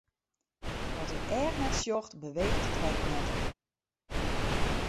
Wat it each net sjocht, beweecht it hert net.